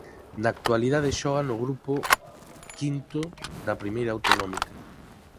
Na actualidade xoga no grupo V da Primeira Autonómica.